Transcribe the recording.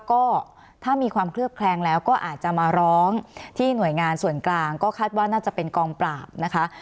ก็ถ้ามีความเคลือบแคลงแล้วก็อาจจะมาร้องที่หน่วยงานส่วนกลางก็คาดว่าน่าจะเป็นกองปราบนะคะ